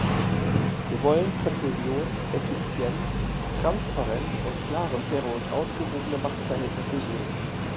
Wir wollen Präzision, Effizienz, Transparenz und klare, faire und ausgewogene Machtverhältnisse sehen.